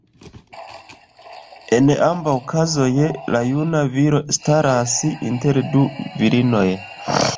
En ambaŭ kazoj la juna "viro" staras inter du virinoj.